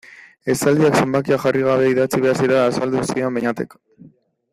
Esaldiak zenbakia jarri gabe idatzi behar zirela azaldu zidan Beñatek.